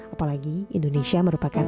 apalagi indonesia merupakan